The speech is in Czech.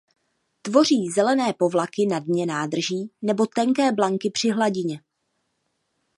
Tvoří zelené povlaky na dně nádrží nebo tenké blanky při hladině.